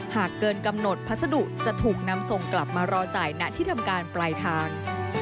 หากเกินกำหนดพัสดุจะถูกนำส่งกลับมารอจ่ายณที่ทำการปลายทาง